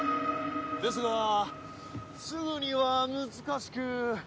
ですがすぐには難しく。